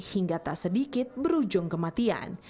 hingga tak sedikit berujung kematian